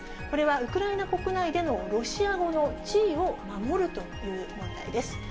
これはウクライナ国内でのロシア語の地位を守るという問題です。